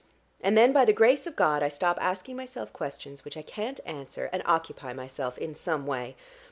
And then by the grace of God I stop asking myself questions which I can't answer, and occupy myself in some way.